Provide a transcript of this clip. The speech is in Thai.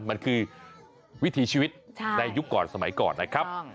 มันคือวิถีชีวิตในยุคก่อนสมัยก่อนนะครับ